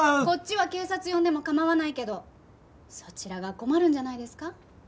こっちは警察呼んでも構わないけどそちらが困るんじゃないですか？